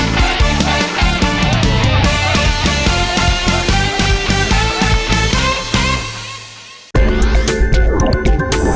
ได้ครึ่งเดียว